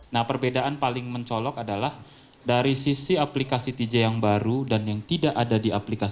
nah perbedaan paling mencolok adalah dari sisi aplikasi tj yang baru dan yang tidak ada di aplikasi